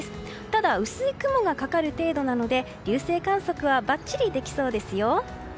ただ、薄い雲がかかる程度なので流星観測はバッチリできそうですよ。